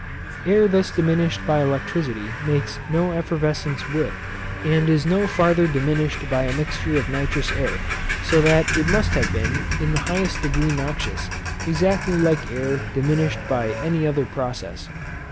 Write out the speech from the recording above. Air thus diminished by electricity makes no effervescence with, and is no farther diminished by a mixture of nitrous air; so that it must have been in the highest degree noxious, exactly like air diminished by any other process.